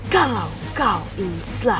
kalau kau ingin selamat